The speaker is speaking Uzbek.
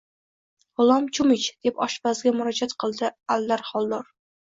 – G‘ulom cho‘mich! – deb oshpazga murojaat qildi Aldar Xoldor